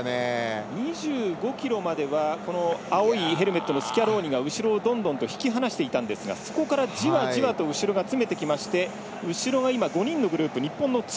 ２５ｋｍまでは青いヘルメットのスキャローニが後ろをどんどん引き離していたんですがそこからじわじわと後ろが攻めてきました。